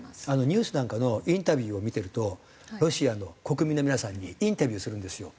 ニュースなんかのインタビューを見てるとロシアの国民の皆さんにインタビューするんですよ。